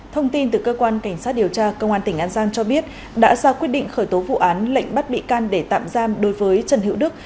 thông tin từ cơ quan cảnh sát điều tra công an tỉnh an giang cho biết đã ra quyết định khởi tố vụ án lệnh bắt bị can để tạm giam đối với trần hữu đức